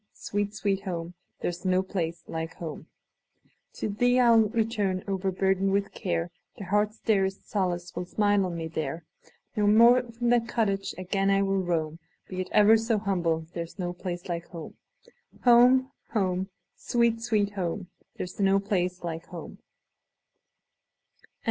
sweet, sweet home! There 's no place like home! To thee I 'll return, overburdened with care; The heart's dearest solace will smile on me there; No more from that cottage again will I roam; Be it ever so humble, there 's no place like home. Home! home! sweet, sweet home! There 's no place like home!